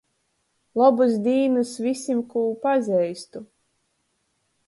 Lobys dīnys vysim, kū pazeistu!